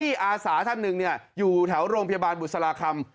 อาสาท่านหนึ่งอยู่แถวโรงพยาบาลบุษราคำ